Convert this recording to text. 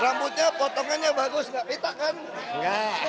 rambutnya potongannya bagus nggak pita kan